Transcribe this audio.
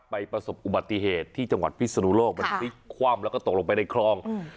ประสบอุบัติเหตุที่จังหวัดพิศนุโลกมันพลิกคว่ำแล้วก็ตกลงไปในคลอง